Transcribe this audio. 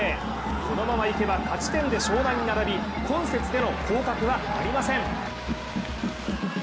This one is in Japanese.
このままいけば勝ち点で湘南に並び今節での降格はありません。